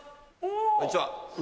こんにちは。